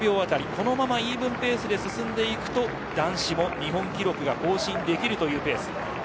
このままイーブンペースで進むと男子も日本記録が更新できるペースです。